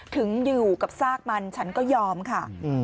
ถึงอยู่กับซากมันฉันก็ยอมค่ะ